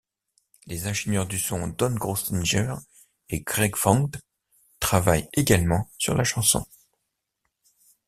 Les ingénieurs du son Don Grossinger et Greg Vaughn travaillent également sur la chanson.